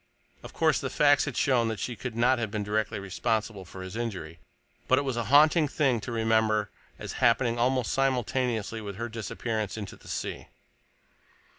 Of course the facts had shown that she could not have been directly responsible for his injury, but it was a haunting thing to remember as happening almost simultaneously with her disappearance into the sea.